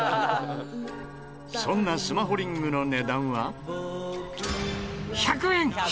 そんなスマホリングの値段は１００円！